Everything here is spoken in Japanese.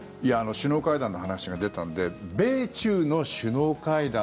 首脳会談の話が出たので米中の首脳会談